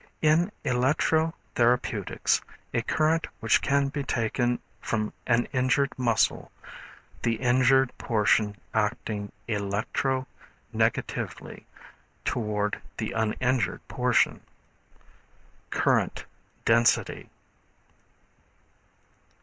In electro therapeutics, a current which can be taken from an injured muscle, the injured portion acting electro negatively toward the uninjured portion. Current Density.